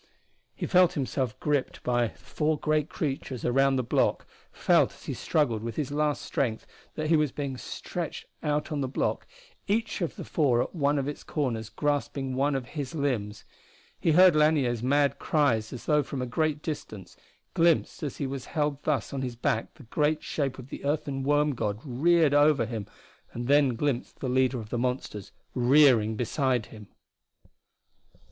He felt himself gripped by the four great creatures around the block, felt as he struggled with his last strength that he was being stretched out on the block, each of the four at one of its corners grasping one of his limbs. He heard Lanier's mad cries as though from a great distance, glimpsed as he was held thus on his back the great shape of the earthen worm god reared over him, and then glimpsed the leader of the monsters rearing beside him.